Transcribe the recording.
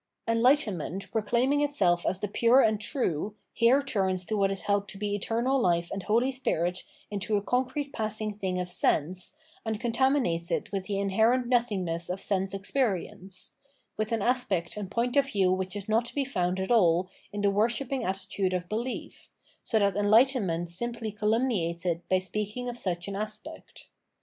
Enlightenment, proclaiming itself as the pure and true, here turns what is held to be eternal life and holy spirit into a concrete passing thing of sense, and contami nates it with the inherent nothingness of sense experi ence — with an aspect and point of view which is not to be found at all in the worshipping attitude of belief, so that enlightenment simply calumniates it by speak ing of such an aspect.